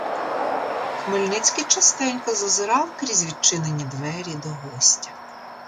Хмельницький частенько зазирав крізь відчинені двері до гостя.